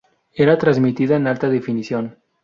Era transmitida en alta definición.